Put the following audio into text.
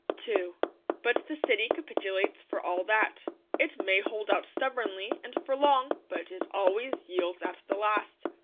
II But the city capitulates for all that. It may hold out stubbornly, and for long, but it always yields at the last.